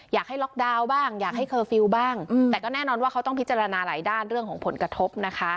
อยากให้ล็อกดาวน์บ้างอยากให้เคอร์ฟิลล์บ้างแต่ก็แน่นอนว่าเขาต้องพิจารณาหลายด้านเรื่องของผลกระทบนะคะ